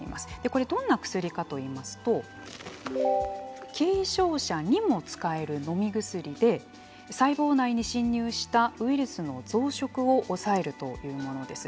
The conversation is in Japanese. これ、どんな薬かといいますと軽症者にも使える飲み薬で細胞内に侵入したウイルスの増殖を抑えるというものです。